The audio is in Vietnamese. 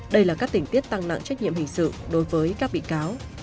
đây là các tình tiết tăng nặng trách nhiệm hình sự đối với các bị cáo